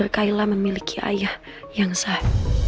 kailah memiliki ayah yang saya